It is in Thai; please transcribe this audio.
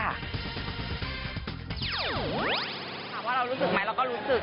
ถามว่าเรารู้สึกไหมเราก็รู้สึก